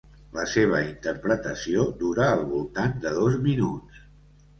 La seva interpretació dura al voltant de dos minuts.